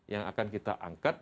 yang akan kita angkat